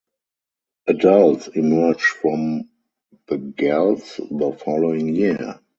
Adults emerge from the galls the following year.